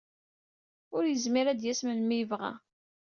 Yezmer ad d-yas melmi ay yebɣa.